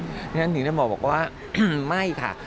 ดังนั้นถึงได้บอกว่าไม่ค่ะ